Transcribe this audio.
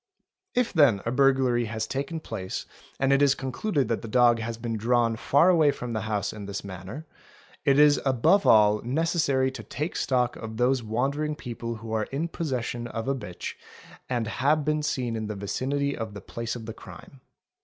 t If then a burglary has taken place and it is concluded that the dog | has been drawn far away from the house in this manner, it is above all 1 necessary to take stock of those wandering people who are in possession of a bitch and have been seen in the vicinity of the place of the crime.